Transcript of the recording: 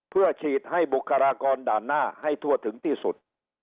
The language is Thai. เพื่อฉีดให้บุคลากรด่านหน้าให้ทั่วถึงที่สุด